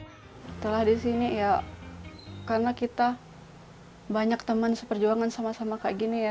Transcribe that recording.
setelah di sini ya karena kita banyak teman seperjuangan sama sama kayak gini ya